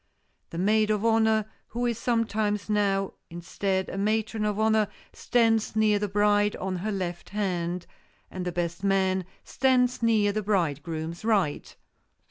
The maid of honor, who is sometimes now, instead, a matron of honor, stands near the bride, on her left hand, and the best man stands near the bridegroom's right.